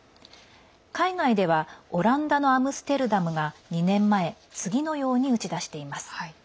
海外では、オランダのアムステルダムが２年前次のように打ち出しています。